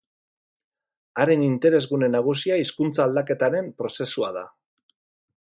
Haren interesgune nagusia hizkuntza aldaketaren prozesua da.